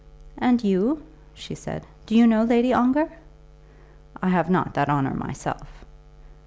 "And you," she said, "do you know Lady Ongar?" "I have not that honour myself."